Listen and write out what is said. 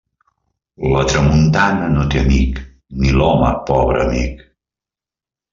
La tramuntana no té amic, ni l'home pobre amic.